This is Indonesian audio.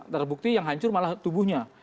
terbukti yang hancur malah tubuhnya